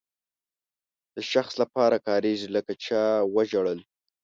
د شخص لپاره کاریږي لکه چا وژړل.